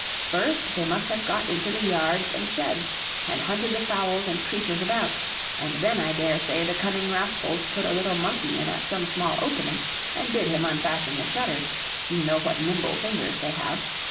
First they must have got into the yards and sheds, and hunted the fowls and creatures about; and then I dare say the cunning rascals put a little monkey in at some small opening, and bid him unfasten the shutters you know what nimble fingers they have.